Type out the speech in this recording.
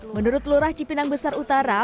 menurut lurah cipinang besar utara